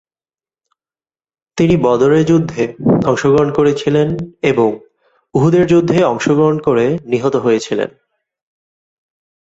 তিনি বদরের যুদ্ধে অংশগ্রহণ করেছিলেন এবং উহুদের যুদ্ধে অংশগ্রহণ করে নিহত হয়েছিলেন।